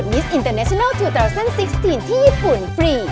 มิสอินเตอร์๒๐๑๖ที่ญี่ปุ่นฟรี